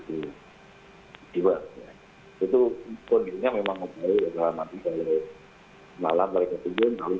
lalu nanti setelah selesai mereka akan lagi di atas untuk menjalankan elektrik